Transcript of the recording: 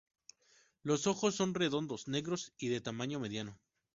Los ojos son redondos, negros y de tamaño mediano.